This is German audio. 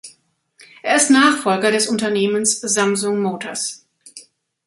Er ist Nachfolger des Unternehmens Samsung Motors.